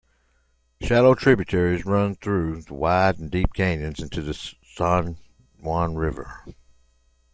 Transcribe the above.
Shallow tributaries run through the wide and deep canyons into the San Juan River.